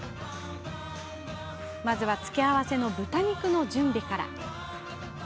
まずは付け合わせの豚肉の準備から。